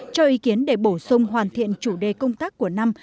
cho ý kiến để bổ sung hoàn thiện chủ đề công tác của năm